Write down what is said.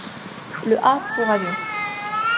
Le A pour avion